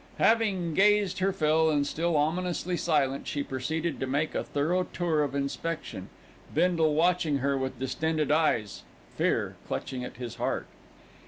Having gazed her fill, and still ominously silent, she proceeded to make a thorough tour of inspection, Bindle watching her with distended eyes, fear clutching at his heart.